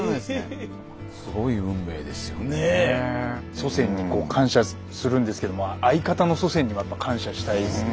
祖先にこう感謝するんですけども相方の祖先にもやっぱ感謝したいですね。